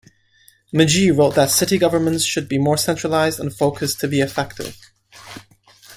Magee wrote that city governments should be more centralized and focused to be effective.